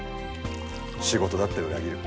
仕事だって裏切る。